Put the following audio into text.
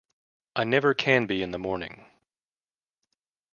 I never can be in the morning.